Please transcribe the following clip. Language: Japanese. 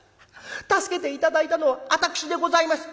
助けて頂いたのは私でございます」。